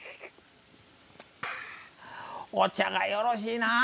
お茶がよろしいなあ。